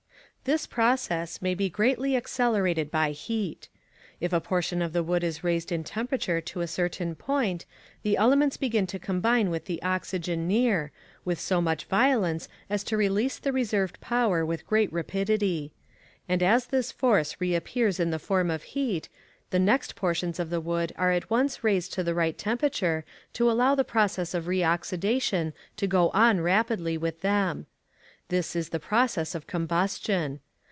This process may be greatly accelerated by heat. If a portion of the wood is raised in temperature to a certain point, the elements begin to combine with the oxygen near, with so much violence as to release the reserved power with great rapidity. And as this force re appears in the form of heat, the next portions of the wood are at once raised to the right temperature to allow the process of reoxidation to go on rapidly with them. This is the process of combustion.